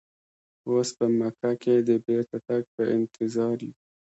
اوس په مکه کې د بیرته تګ په انتظار یو.